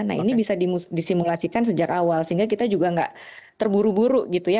nah ini bisa disimulasikan sejak awal sehingga kita juga nggak terburu buru gitu ya